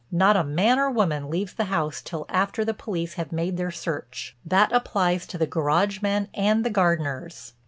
Not a man or woman leaves the house till after the police have made their search. That applies to the garage men and the gardeners.